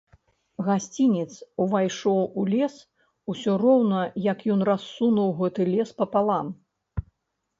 Гасцінец увайшоў у лес, усё роўна як ён рассунуў гэты лес папалам.